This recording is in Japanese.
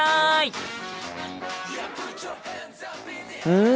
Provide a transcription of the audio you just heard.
うん！